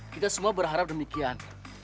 kita semua berharap demikian